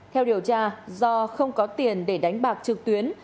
theo điều tra do không có tiền để đánh bạc trực tuyến